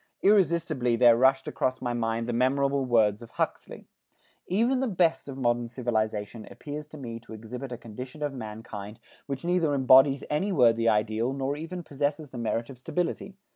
Irresistibly there rushed across my mind the memorable words of Huxley: "Even the best of modern civilization appears to me to exhibit a condition of mankind which neither embodies any worthy ideal nor even possesses the merit of stability.